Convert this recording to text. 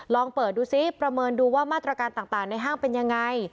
ลองเปิดดูซิประเมินดูว่ามาตรการต่างในห้างเป็นยังไง